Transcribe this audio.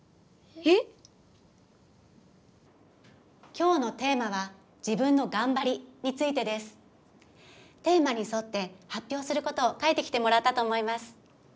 今日のテーマは「自分のがんばり」についてです。テーマにそって発表することを書いてきてもらったと思います。